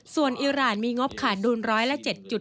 ส่วนอิราณมีงบขาดดุลร้อยละ๗๗